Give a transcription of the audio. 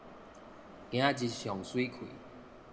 今仔日上媠氣